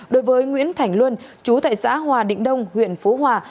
đối với nguyễn thành luân chú tại xã hòa định đông huyện phú hòa